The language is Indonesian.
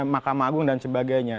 makam agung dan sebagainya